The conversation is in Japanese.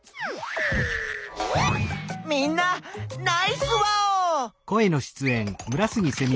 みんなナイスワオ！